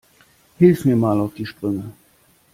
Hilf mir mal auf die Sprünge.